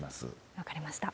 分かりました。